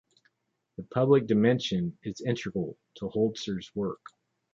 The public dimension is integral to Holzer's work.